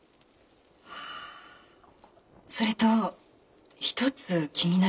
それと一つ気になる事が。